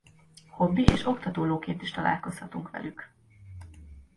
Hobbi és oktató lóként is találkozhatunk velük.